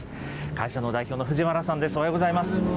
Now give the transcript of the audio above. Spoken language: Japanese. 会社の代表の藤原さんです、おはようございます。